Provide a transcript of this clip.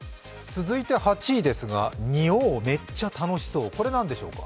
続いて８位ですが、仁王めっちゃ楽しそう、これ何でしょうか？